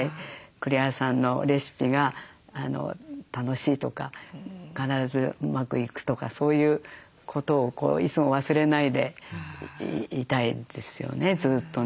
栗原さんのレシピが楽しいとか必ずうまくいくとかそういうことをいつも忘れないでいたいですよねずっとね。